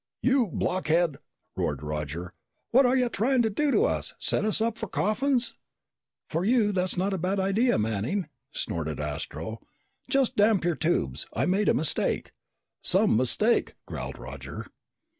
"You blockhead!" roared Roger. "What are you trying to do to us? Set us up for coffins?" "For you, that's not a bad idea, Manning!" snorted Astro. "Just damp your tubes. I made a mistake." "Some mistake!" growled Roger.